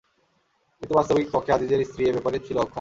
কিন্তু বাস্তবিক পক্ষে আযীযের স্ত্রী এ ব্যাপারে ছিল অক্ষম।